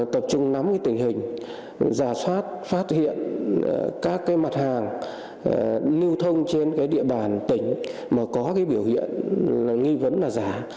tập trung nắm tình hình giả soát phát hiện các mặt hàng lưu thông trên địa bàn tỉnh mà có biểu hiện nghi vấn là giả